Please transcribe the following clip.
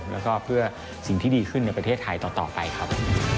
แล้วก็เพื่อสิ่งที่ดีขึ้นในประเทศไทยต่อไปครับ